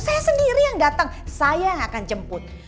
saya sendiri yang datang saya akan jemput